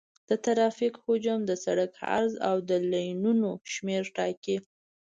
د ترافیک حجم د سرک عرض او د لینونو شمېر ټاکي